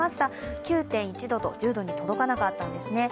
９．１度と１０度に届かなかったんですね。